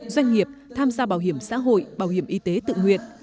doanh nghiệp tham gia bảo hiểm xã hội bảo hiểm y tế tự nguyện